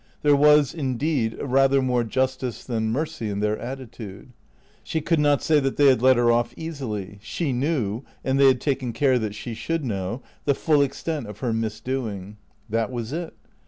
There was, indeed, rather more justice than mercy in their attitude. She could not say that they had let her off easily. She knew (and they had taken care that she should know) the full extent of her misdoing. That was it.